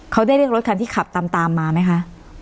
เขาได้เรียกรถคันที่ขับตามมาไหมคะ